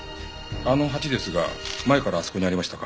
あの鉢ですが前からあそこにありましたか？